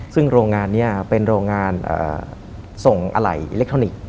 ซึ่งโรงงานนี้เป็นโรงงานส่งอะไหล่อิเล็กทรอนิกส์